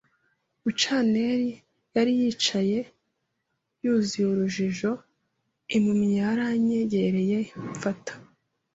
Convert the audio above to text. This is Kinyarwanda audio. buccaneer yari yicaye, yuzuye urujijo. Impumyi yaranyegereye, mfata